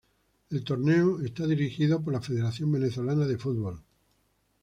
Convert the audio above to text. El torneo es dirigido por la Federación Venezolana de Fútbol.